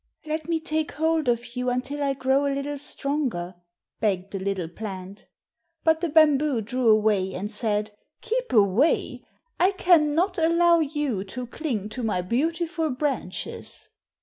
"Let me take hold of you until I grow a little stronger," begged the little plant. But the bamboo drew away and said, "Keep away. I can not allow you to cling to my beautiful branches."